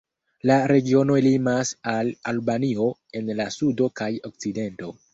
La regiono limas al Albanio en la sudo kaj okcidento.